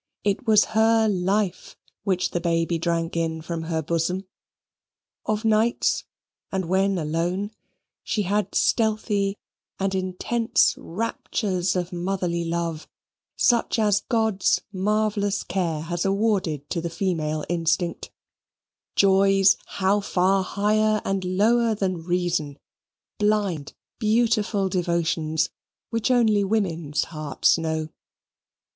It was her life which the baby drank in from her bosom. Of nights, and when alone, she had stealthy and intense raptures of motherly love, such as God's marvellous care has awarded to the female instinct joys how far higher and lower than reason blind beautiful devotions which only women's hearts know.